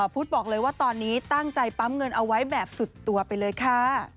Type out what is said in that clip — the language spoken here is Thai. พุทธบอกเลยว่าตอนนี้ตั้งใจปั๊มเงินเอาไว้แบบสุดตัวไปเลยค่ะ